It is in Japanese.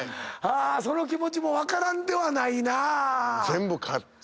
その気持ちも分からんではないなぁ。